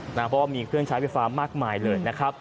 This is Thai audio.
เพราะว่ามีเครื่องใช้ไฟฟ้ามากมายเลยนะครับ